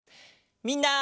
みんな。